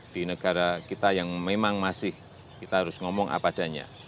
di negara kita yang memang masih kita harus ngomong apa adanya